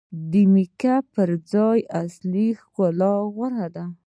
د میک اپ پر ځای اصلي ښکلا غوره ده.